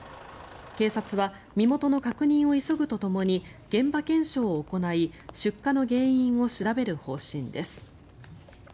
警察は身元の確認を急ぐとともに現場検証を行い出火の原因を調べる方針です。